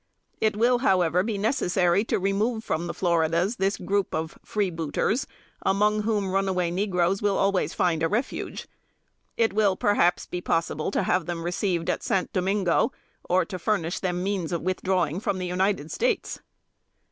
It will, however, be necessary to remove from the Floridas this group of freebooters, among whom runaway negroes will always find a refuge. It will, perhaps, be possible to have them received at St. Domingo, or to furnish them means of withdrawing from the United States!"